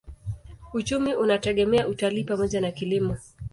Uchumi unategemea utalii pamoja na kilimo.